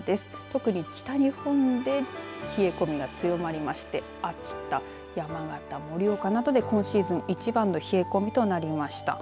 特に北日本で冷え込みが強まりまして秋田、山形、盛岡などで今シーズン一番の冷え込みとなりました。